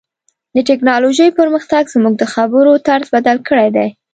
د ټکنالوژۍ پرمختګ زموږ د خبرو طرز بدل کړی دی.